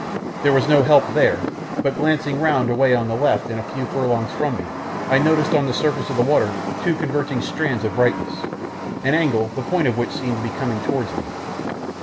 There was no help there, but glancing round away on the left and a few furlongs from me, I noticed on the surface of the water two converging strands of brightness, an angle the point of which seemed to be coming towards me.